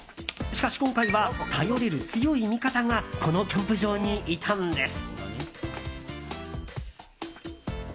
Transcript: しかし、今回は頼れる強い味方がこのキャンプ場にいたんです。